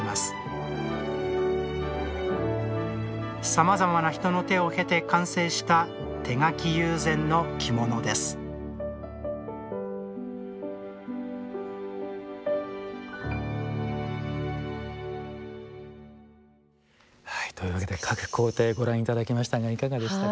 さまざまな人の手を経て完成した手描き友禅の着物ですというわけで各工程ご覧頂きましたがいかがでしたか。